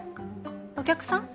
お客さん？